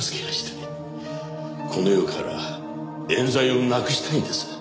この世から冤罪をなくしたいんです。